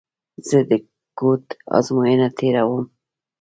زه د کوډ ازموینه تېره ووم.